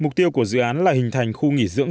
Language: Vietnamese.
mục tiêu của dự án là hình thành khu nghỉ dưỡng